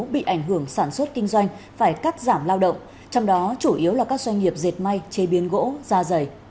bị ảnh hưởng sản xuất kinh doanh phải cắt giảm lao động trong đó chủ yếu là các doanh nghiệp dệt may chế biến gỗ da dày